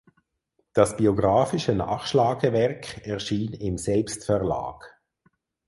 Das biografische Nachschlagewerk erschien im Selbstverlag.